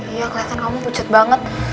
iya keliatan kamu pucet banget